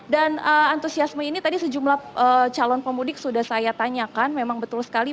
dan antusiasme ini tadi sejumlah calon pemudik sudah saya tanyakan memang betul sekali